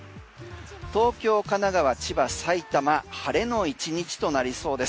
東京、神奈川、千葉、埼玉晴れの１日となりそうです。